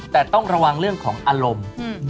แต่ต้องระวังเรื่องของอารมณ์